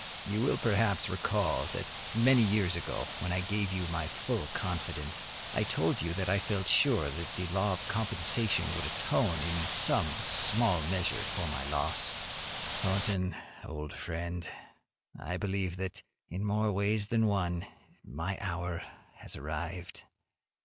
You will, perhaps, recall that many years ago, when I gave you my full confidence, I told you that I felt sure that the law of compensation would atone in some measure for my loss. Thornton, old friend, I believe that, in more ways than one, my hour has arrived.